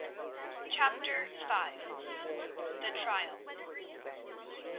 CHAPTER V. THE TRIAL.